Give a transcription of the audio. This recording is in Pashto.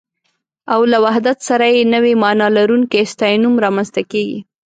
او له وحدت سره يې نوې مانا لرونکی ستاينوم رامنځته کېږي